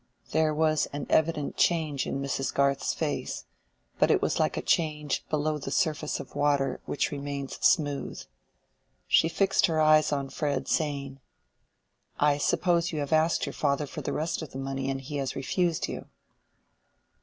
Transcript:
There was an evident change in Mrs. Garth's face, but it was like a change below the surface of water which remains smooth. She fixed her eyes on Fred, saying— "I suppose you have asked your father for the rest of the money and he has refused you."